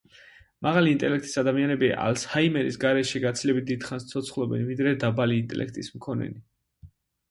მაღალი ინტელექტის ადამიანები ალცჰაიმერის გარეშე გაცილებით დიდხანს ცოცხლობენ, ვიდრე დაბალი ინტელექტის მქონენი.